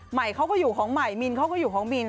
ใหม่เขาก็อยู่ของใหม่มินเขาก็อยู่ของมิน